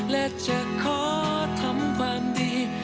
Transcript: และจะขอทำความดี